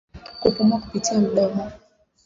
Kupumua kupitia mdomo